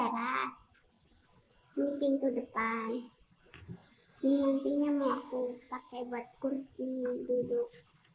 ini mimpinya mau aku pakai buat kursi duduk